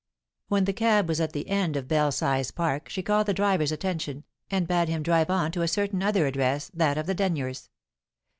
When the cab was at the end of Eel size Park, she called the driver's attention, and bade him drive on to a certain other address, that of the Denyers.